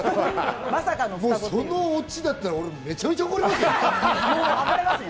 そのオチだったら、俺めちゃめちゃ怒りますよ。